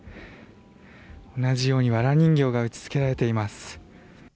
同じように、わら人形が打ち付けられています。